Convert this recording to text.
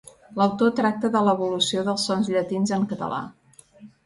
L'autor tracta de l'evolució dels sons llatins en català.